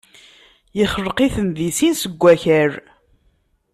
yexleq-iten di sin seg wakal.